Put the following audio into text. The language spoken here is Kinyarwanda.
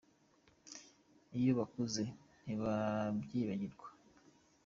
Iyo bakuze ntibabyibagirwa.